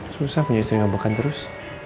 susah punya istri ngambekan terus